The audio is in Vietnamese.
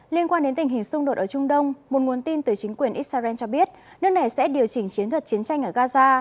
liên quan đến tình hình xung đột ở trung đông một nguồn tin từ chính quyền israel cho biết nước này sẽ điều chỉnh chiến thuật chiến tranh ở gaza